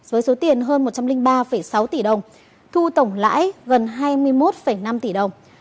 với số tiền hơn một trăm linh ba sáu tỷ đồng thu tổng lãi gần hai mươi một năm tỷ đồng